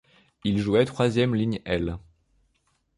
Il jouait troisième ligne aile.